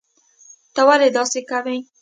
ته ولي داسي کوي